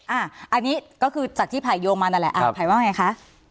อันนี้ก็คือจากที่ไผ่โยงมานั่นแหละอ่าไผ่ว่าไงคะ